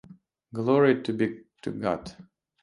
Glory be to God!